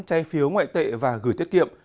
che phiếu ngoại tệ và gửi tiết kiệm